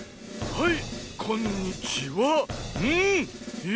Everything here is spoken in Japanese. はい！